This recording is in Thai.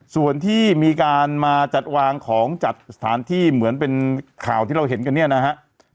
ส่วนที่มีการมาจัดวางของจัดสถานที่เหมือนเป็นข่าวที่เราเห็นกันเนี่ยนะฮะ